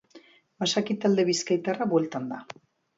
Basaki talde bizkaitarra bueltan da.